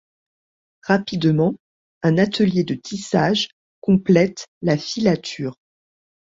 Rapidement un atelier de tissage complète la filature.